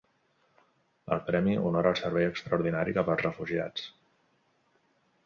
El Premi honora el servei extraordinari cap als refugiats.